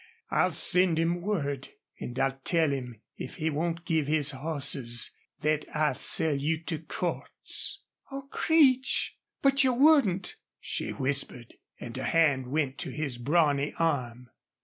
I'll send him word. An' I'll tell him if he won't give his hosses thet I'll sell you to Cordts." "Oh, Creech but you wouldn't!" she whispered, and her hand went to his brawny arm.